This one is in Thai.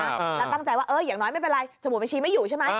แล้วตั้งใจว่าเอออย่างน้อยไม่เป็นไรสมุดบัญชีไม่อยู่ใช่ไหม